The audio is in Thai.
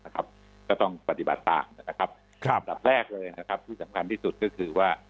ก็ต้องปฏิบัติตามนะครับอันดับแรกเลยนะครับที่สำคัญที่สุดก็คือว่า